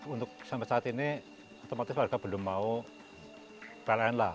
untuk sampai saat ini otomatis warga belum mau pln lah